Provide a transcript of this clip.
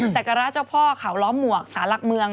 สักการาชเจ้าพ่อขาวล้อมหวกสารักเมือง